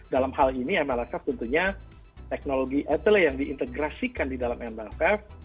dalam hal ini mlrsf tentunya teknologi etole yang diintegrasikan di dalam mwf